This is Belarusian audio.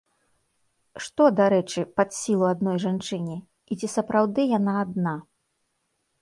Што, дарэчы, пад сілу адной жанчыне і ці сапраўды яна адна?